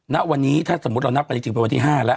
ณวันนี้ถ้าสมมุติเรานับกันจริงเป็นวันที่๕แล้ว